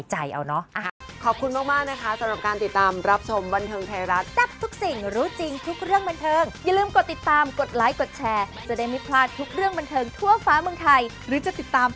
ให้คิดแบบนี้ก็แล้วกันนะผู้ชม